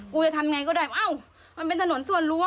กูจะทำไงก็ได้อ้าวมันเป็นถนนส่วนรวม